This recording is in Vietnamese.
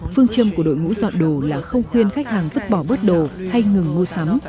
phương châm của đội ngũ dọn đồ là không khuyên khách hàng vứt bỏ bớt đồ hay ngừng mua sắm